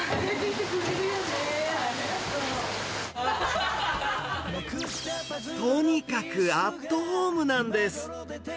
ねー、とにかくアットホームなんです。